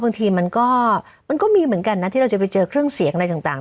บางทีมันก็มีเหมือนกันนะที่เราจะไปเจอเครื่องเสียงอะไรต่าง